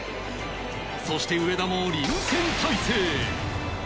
そして上田も臨戦態勢。